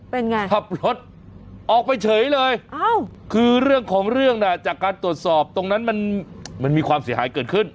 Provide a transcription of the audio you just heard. เป็นไงขับรถออกไปเฉยเลยคือเรื่องของเรื่องน่ะจากการตรวจสอบตรงนั้นมันมีความเสียหายเกิดขึ้น